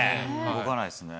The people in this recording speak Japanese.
動かないですね。